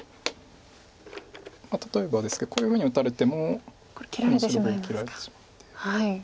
例えばですけどこういうふうに打たれてもこの白が切られてしまうんで。